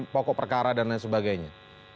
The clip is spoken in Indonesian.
pokok perkara dan lain sebagainya